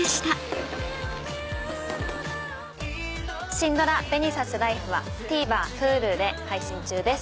シンドラ『紅さすライフ』はＴＶｅｒＨｕｌｕで配信中です。